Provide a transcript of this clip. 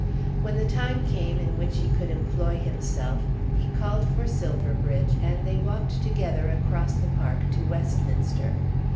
When the time came in which he could employ himself he called for Silverbridge, and they walked together across the park to Westminster.